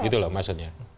gitu loh maksudnya